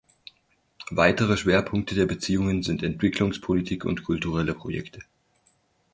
Weitere Schwerpunkte der Beziehungen sind Entwicklungspolitik und kulturelle Projekte.